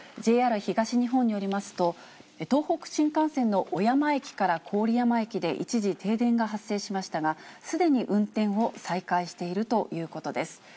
ＪＲ東日本によりますと、東北新幹線の小山駅から郡山駅で一時、停電が発生しましたが、すでに運転を再開しているということです。